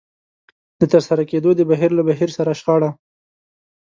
د ترسره کېدو د بهير له بهير سره شخړه.